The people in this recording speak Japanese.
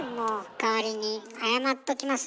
代わりに謝っときます。